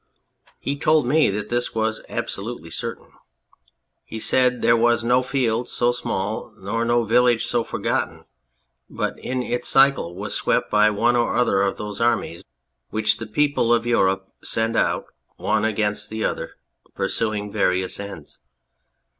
He told me that this was absolutely certain ; he said there was no field so small nor no village so forgotten, but in its cycle was swept by one or other of those armies which the peoples of Europe send out one against the other, pursuing various ends.